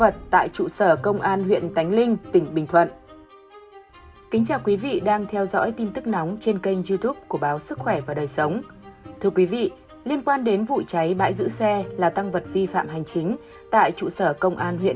các bạn hãy đăng ký kênh để ủng hộ kênh của chúng mình nhé